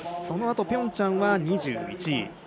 そのあとピョンチャンは２１位。